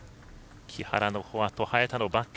木原のフォアと早田のバック。